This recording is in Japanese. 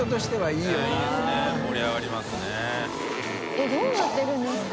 えっどうなってるんですか？